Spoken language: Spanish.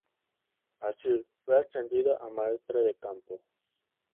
Así, fue ascendido a Maestre de Campo.